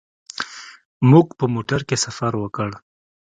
موږ په موټر کې سفر وکړ.